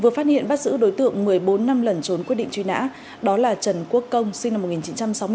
vừa phát hiện bắt giữ đối tượng một mươi bốn năm lẩn trốn quyết định truy nã đó là trần quốc công sinh năm một nghìn chín trăm sáu mươi ba